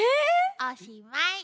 おしまい。